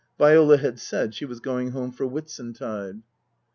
(Viola had said she was going home for Whitsuntide.)